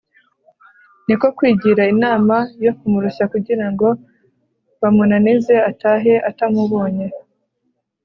Ni ko kwigira inama yo kumurushya kugira ngo bamunanize, atahe atamubonye.